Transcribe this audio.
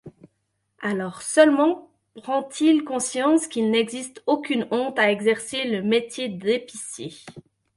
Alors seulement prend-il conscience qu'il n'existe aucune honte à exercer le métier d'épicier.